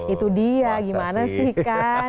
itu dia gimana sih kan